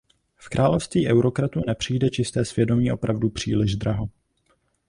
V království eurokratů nepřijde čisté svědomí opravdu příliš draho.